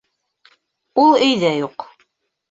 — Ул өйҙә юҡ.